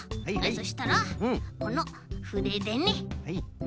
そしたらこのふででね。